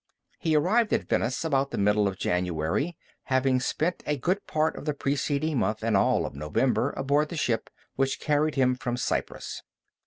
He arrived at Venice about the middle of January, having spent a good part of the preceding month and all of November aboard the ship which carried him from Cyprus.